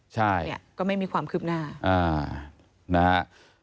ใช่เนี่ยก็ไม่มีความคืบหน้านะฮะ